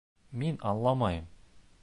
Мин аңламайым.